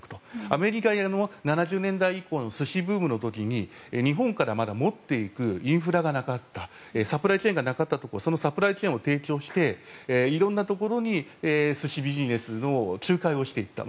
アメリカは７０年代以降の寿司ブームの時に日本から、まだ持っていくインフラがなかったサプライチェーンがなかったところにサプライチェーンを提供していろんなところに寿司ビジネスの仲介をしていった。